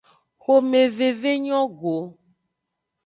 Xomeveve nyo go.